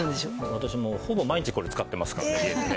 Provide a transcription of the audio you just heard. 私もうほぼ毎日これ使ってますから家でね。